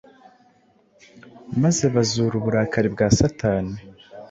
maze buzura uburakari bwa Satani,